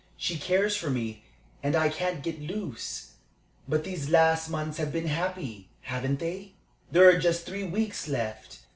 She cares for me, and I can't get loose. But these last months have been happy, haven't they? There are just three weeks left.